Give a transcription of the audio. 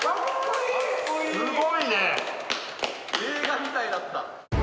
・映画みたいだった。